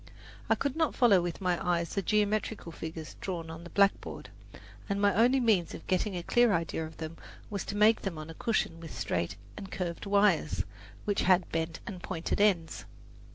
I could not follow with my eyes the geometrical figures drawn on the blackboard, and my only means of getting a clear idea of them was to make them on a cushion with straight and curved wires, which had bent and pointed ends.